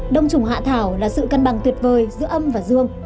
đông trùng hạ thảo là sự cân bằng tuyệt vời giữa âm và dương